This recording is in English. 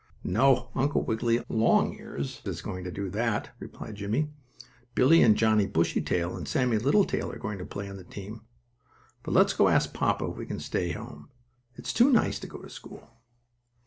"No, Uncle Wiggily Longears is going to do that," replied Jimmie. "Billie and Johnnie Bushytail and Sammie Littletail are going to play on the team. But let's go ask papa if we can stay home. It's too nice to go to school."